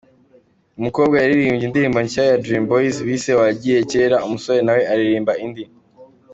Ariko burya ngo agakingirizo k’umugabo gashobora kujyamo byibura litiro ebyiri z’amazi.